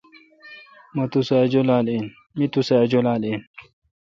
می تو سہ۔ اجولال این۔